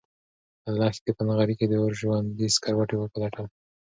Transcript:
لښتې په نغري کې د اور ژوندي سکروټي وپلټل.